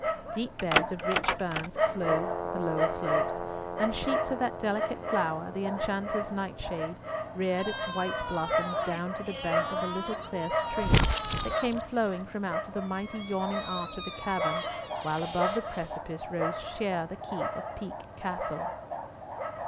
Deep beds of rich ferns clothed the lower slopes, and sheets of that delicate flower, the enchanter's nightshade, reared its white blossoms down to the bank of a little clear stream that came flowing from out of the mighty yawning arch of the cavern, while above the precipice rose sheer the keep of Peak Castle.